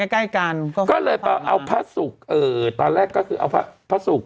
ใกล้ใกล้กันก็เลยเอาพระสุกเออตอนแล้วก็คือเอาพ่าพระสุก